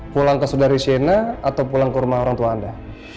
pulang ke saudari shena atau pulang ke rumah orang tua anda